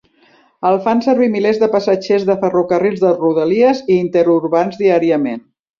El fan servir milers de passatgers de ferrocarrils de rodalies i interurbans diàriament.